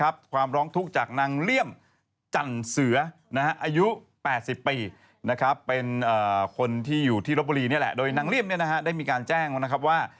บางทีฉันก็เห็นเธอชอบสาระไหน่ะ